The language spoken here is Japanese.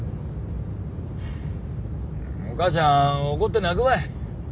お母ちゃん怒って泣くわい。